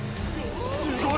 すごい！！